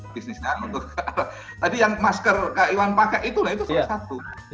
bisnisnya untuk tadi yang masker kang iwan pakai itu salah satu